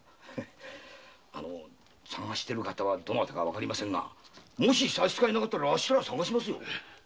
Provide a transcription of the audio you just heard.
捜している方はどなたかわかりませんがもしさしつかえなかったらあっしらが捜しますよ。